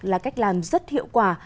là cách làm rất hiệu quả